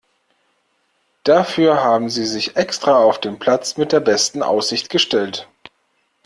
Dafür haben Sie sich extra auf den Platz mit der besten Aussicht gestellt.